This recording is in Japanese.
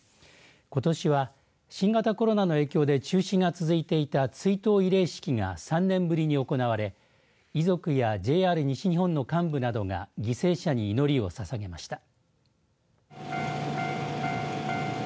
ことしは新型コロナの影響で中止が続いていた追悼慰霊式が３年ぶりに行われ遺族やＪＲ西日本の幹部などが犠牲者に祈りをささげました。